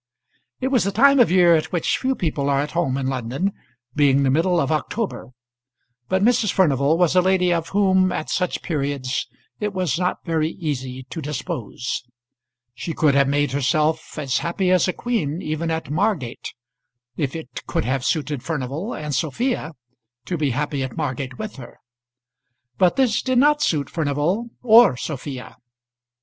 It was the time of year at which few people are at home in London, being the middle of October; but Mrs. Furnival was a lady of whom at such periods it was not very easy to dispose. She could have made herself as happy as a queen even at Margate, if it could have suited Furnival and Sophia to be happy at Margate with her. But this did not suit Furnival or Sophia.